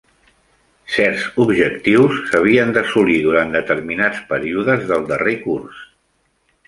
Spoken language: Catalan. Certs objectius s'havien d'assolir durant determinats períodes del darrer curs.